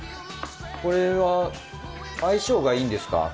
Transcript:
これは相性がいいんですか？